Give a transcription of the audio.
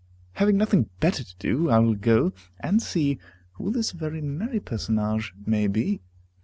Having nothing better to do, I will go and see who this very merry personage may be.